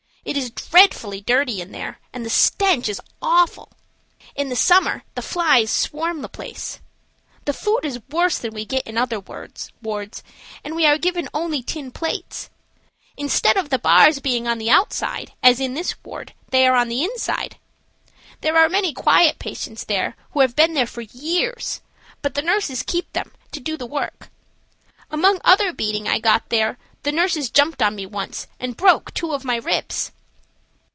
It is dreadfully dirty in there, and the stench is awful. In the summer the flies swarm the place. The food is worse than we get in other wards and we are given only tin plates. Instead of the bars being on the outside, as in this ward, they are on the inside. There are many quiet patients there who have been there for years, but the nurses keep them to do the work. Among other beating I got there, the nurses jumped on me once and broke two of my ribs.